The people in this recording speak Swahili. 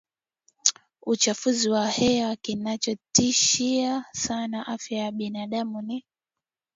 uchafuzi wa hewa kinachotishia sana afya ya binadamu ni